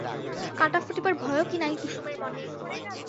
কাঁটা ফুটিবার ভয়ও কি নাই কুসুমের মনে?